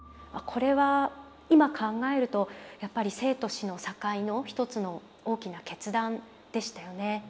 これは今考えるとやっぱり生と死の境の一つの大きな決断でしたよね。